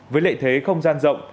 với lệ thế không gian rộng